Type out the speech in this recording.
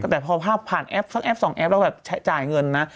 แต่พอภาพผ่านแอปสักแป๊บสองแป๊ปแล้วแบบจ่ายเงินนะ